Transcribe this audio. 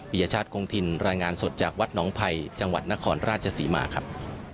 ยชาติคงถิ่นรายงานสดจากวัดหนองภัยจังหวัดนครราชศรีมาครับ